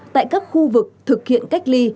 tại các khu vực thực hiện cách ly